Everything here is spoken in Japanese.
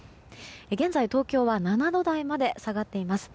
現在、東京は７度台まで下がっています。